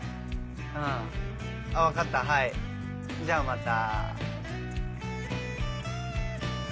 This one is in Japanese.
うん。あっ分かったはいじゃあまた。